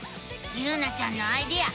ゆうなちゃんのアイデアすごいね！